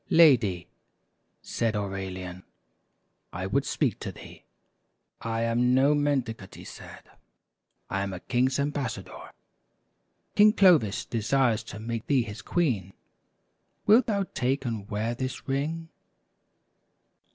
" Lady," said Aurelian, " I would speak to thee. I am no mendicant," said he. " I am a king's ambassa dor. King Clovis desires to make thee his queen. Wilt thou take and wear this ring?